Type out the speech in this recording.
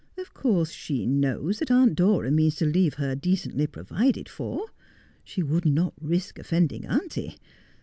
Of course she knows that Aunt Dora means to leave her decently provided for. She would not risk offending auntie.